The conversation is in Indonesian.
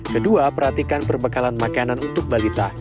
kedua perhatikan perbekalan makanan untuk balita